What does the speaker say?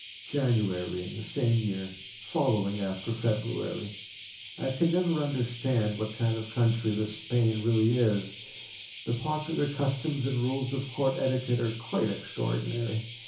January in the same year, following after February. I can never understand what kind of a country this Spain really is. The popular customs and rules of court etiquette are quite extraordinary.